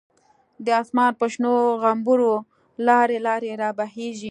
د آسمان په شنو غومبرو، لاری لاری را بهیږی